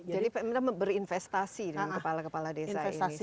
jadi pemerintah berinvestasi dengan kepala kepala desa ini